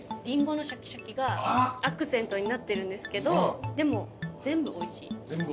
リンゴのシャキシャキがアクセントになってるんですけどでも全部おいしい。